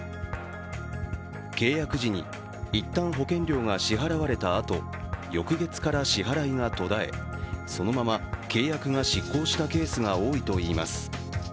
契約時に一旦、保険料が支払われたあと、翌月から支払いが途絶えそのまま契約が失効したケースが多いといいます。